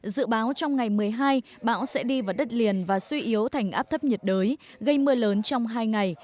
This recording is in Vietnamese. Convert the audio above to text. dự báo trong ngày một mươi hai bão sẽ đi vào đất liền và suy yếu thành áp thấp nhiệt đới gây mưa lớn trong hai ngày